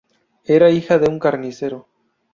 Era hija de un carnicero.